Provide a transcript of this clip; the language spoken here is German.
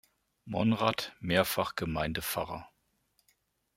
Monrad mehrfach Gemeindepfarrer.